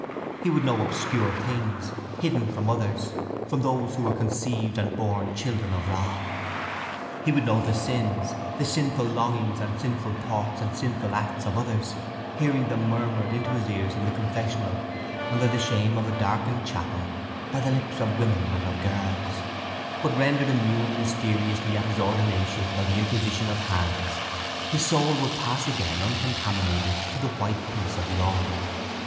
He would know obscure things, hidden from others, from those who were conceived and born children of wrath. He would know the sins, the sinful longings and sinful thoughts and sinful acts, of others, hearing them murmured into his ears in the confessional under the shame of a darkened chapel by the lips of women and of girls; but rendered immune mysteriously at his ordination by the imposition of hands, his soul would pass again uncontaminated to the white peace of the altar.